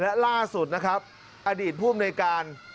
และล่าสุดนะครับอดีตภูมิในการ